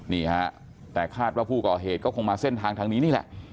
นี่ฮะแต่คาดว่าผู้ก่อเหตุก็คงมาเส้นทางทางนี้นี่แหละ